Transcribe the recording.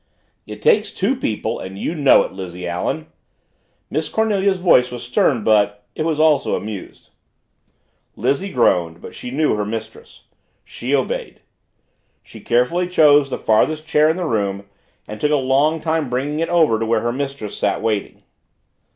"It takes two people and you know it, Lizzie Allen!" Miss Cornelia's voice was stern but it was also amused. Lizzie groaned, but she knew her mistress. She obeyed. She carefully chose the farthest chair in the room and took a long time bringing it over to where her mistress sat waiting.